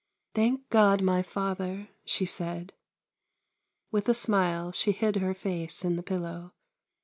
" Thank God, my father," she said. With a smile she hid her face in the pillow.